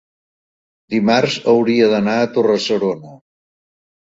dimarts hauria d'anar a Torre-serona.